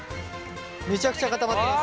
めちゃくちゃ固まってます。